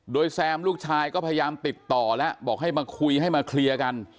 โดยแซมลูกชายก็พยายามติดต่อแล้วบอกให้มาคุยให้มาเคลียร์กัน